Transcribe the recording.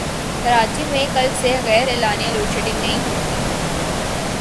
کراچی میں کل سے غیراعلانیہ لوڈشیڈنگ نہیں ہوگی